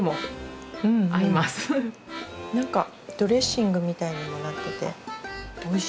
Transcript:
何かドレッシングみたいにもなってておいしい。